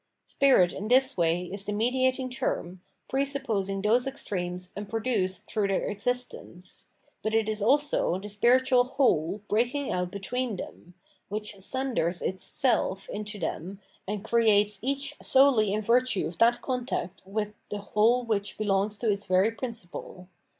Spirit in this way is the mediating term, presupposing those extremes and produced through their existence ; but it is also the spiritual whole breaking out between them, which sunders its self into them, and creates each solely in virtue of that contact with the whole which belongs to its very principle.